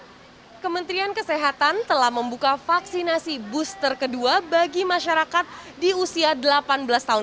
hai kementerian kesehatan telah membuka vaksinasi booster kedua bagi masyarakat di usia delapan belas tahun